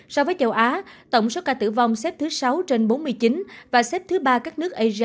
so với châu á tổng số ca tử vong xếp thứ sáu trên bốn mươi chín và xếp thứ ba các nước asean